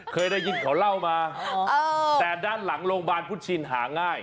เคยได้ยินเขาเล่ามาแต่ด้านหลังโรงพยาบาลพุทธชินหาง่าย